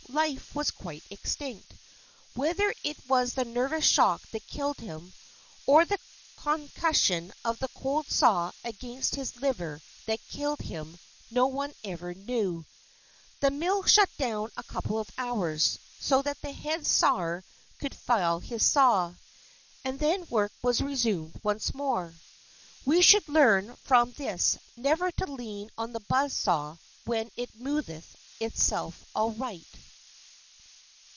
Life was quite extinct. Whether it was the nervous shock that killed him, or the concussion of the cold saw against his liver that killed him no one ever knew. The mill shut down a couple of hours so that the head sawyer could file his saw, and then work was resumed once more. We should learn from this never to lean on the buzz saw when it moveth itself aright.